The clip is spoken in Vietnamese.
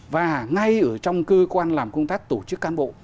và ngay ở trong cơ quan làm công tác tổ chức cán bộ